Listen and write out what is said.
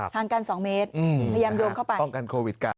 ห่างกัน๒เมตรพยายามโดมเข้าไป